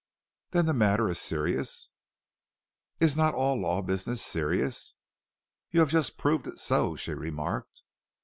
"Then the matter is serious?" "Is not all law business serious?" "You have just proved it so," she remarked.